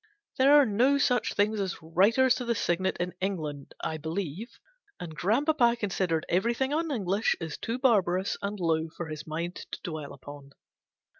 There are no such things as Writers to the Signet in England, I believe; and grandpapa considered everything un English as too barbarous and low for his mind to dwell upon.